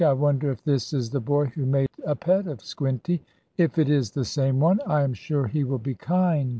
I wonder if this is the boy who made a pet of Squinty. If it is the same one, I am sure he will be kind to me."